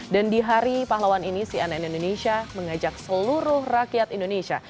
dan di hari pahlawan ini si anak indonesia mengajak seluruh rakyat indonesia